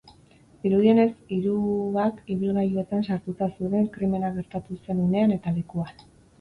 Dirudienez, hiruak ibilgailuetan sartuta zeuden krimena gertatu zen unean eta lekuan.